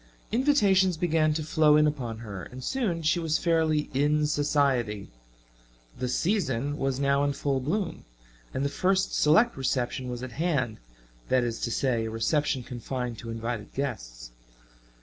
Invitations began to flow in upon her and soon she was fairly "in society." "The season" was now in full bloom, and the first select reception was at hand that is to say, a reception confined to invited guests.